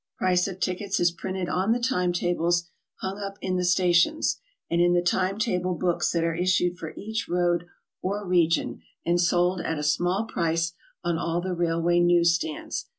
The price of tickets is printed on the time tables hung up in the stations; and in the time table books that are issued for each road or region, and sold at a small price on all the railway news stands.